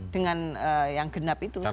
dengan yang genap itu saat ini